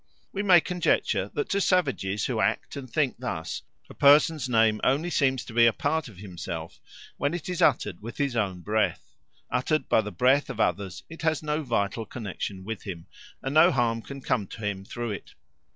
We may conjecture that to savages who act and think thus a person's name only seems to be a part of himself when it is uttered with his own breath; uttered by the breath of others it has no vital connexion with him, and no harm can come to him through it.